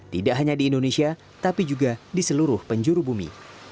tidak hanya di indonesia tapi juga di seluruh penjuru bumi